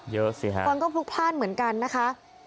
สิฮะคนก็พลุกพลาดเหมือนกันนะคะ